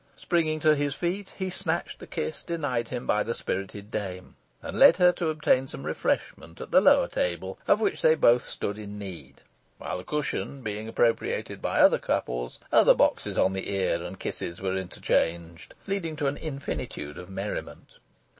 Springing to his feet, he snatched the kiss denied him by the spirited dame, and led her to obtain some refreshment at the lower table, of which they both stood in need, while the cushion being appropriated by other couples, other boxes on the ear and kisses were interchanged, leading to an infinitude of merriment.